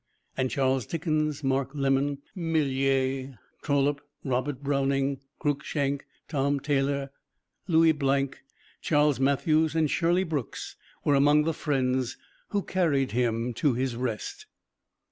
And Charles Dickens, Mark Lemon, Millais, Trollope, Robert Browning, Cruikshank, Tom Taylor, Louis Blanc, Charles Mathews and Shirley Brooks were among the friends who carried him to his rest.